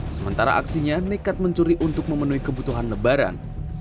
sementara aksinya nekat mencuri untuk memenuhi kebutuhan lebaran